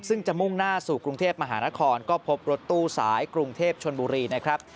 ซึ่งจะมุ่งหน้าสู่กรุงเทพมหานครก็พบรถตู้สายกรุงเทพชนบุรีนะครับ